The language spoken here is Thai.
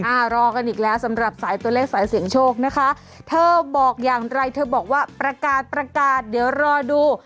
รอกันอีกแล้วสำหรับสายตัวเลขสายเสียงโชคนะคะเธอบอกอย่างไรเธอบอกว่าประกาศประกาศเดี๋ยวรอดู